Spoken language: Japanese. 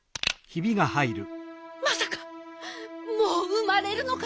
まさかもううまれるのかしら？